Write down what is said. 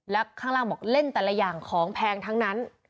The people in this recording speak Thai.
แล้วข้างล่างบอกเล่นแต่ละอย่างของแพงทั้งนั้น